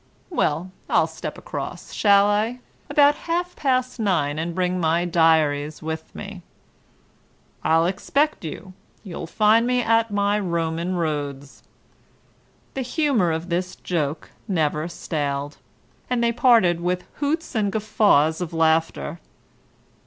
Well, I'll step across, shall I, about half past nine, and bring my diaries with me?" "I'll expect you. You'll find me at my Roman roads." The humour of this joke never staled, and they parted with hoots and guffaws of laughter.